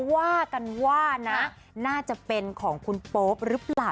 ว่ากันว่านะน่าจะเป็นของคุณโป๊ปหรือเปล่า